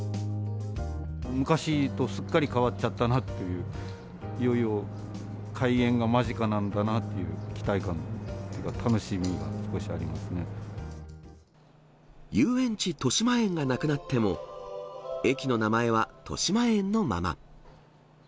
昔とすっかり変っちゃったなという、いよいよ開園が間近なんだなっていう期待感、遊園地としまえんがなくなっても、駅の名前は豊島園のまま。